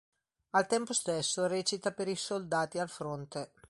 Al tempo stesso recita per i soldati al fronte.